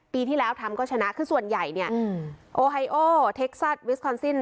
ปีที่แล้วทำก็ชนะคือส่วนใหญ่เนี่ยโอไฮโอเทคซัสวิสคอนซิน